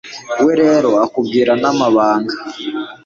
we rero akubwira n'amabanga